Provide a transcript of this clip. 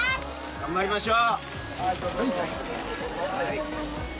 頑張りましょう！